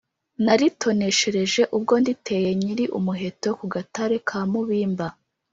naritoneshereje ubwo nditeye nyili umuheto ku Gatare ka Mubimba